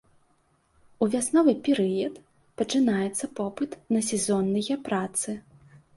У вясновы перыяд пачынаецца попыт на сезонныя працы.